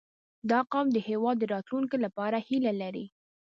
• دا قوم د هېواد د راتلونکي لپاره هیله لري.